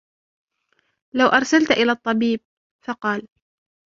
لَوْ أَرْسَلْت إلَى الطَّبِيبِ ؟ فَقَالَ